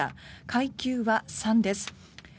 階級は３です。